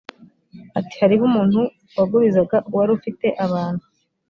ati hariho umuntu wagurizaga wari ufite abantu